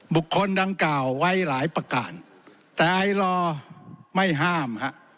บุคคลดังกล่าวไว้หลายประการแต่ไอลอไม่ห้ามฮะ